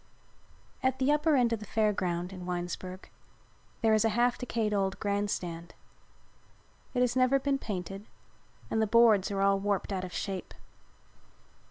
At the upper end of the Fair Ground, in Winesburg, there is a half decayed old grand stand. It has never been painted and the boards are all warped out of shape.